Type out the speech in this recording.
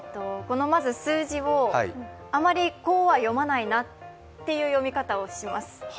まず、この数字をあまりこうは読まないなという読み方をします。